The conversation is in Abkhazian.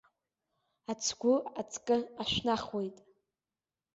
Ацгәы аҵкы ашәнахуеит.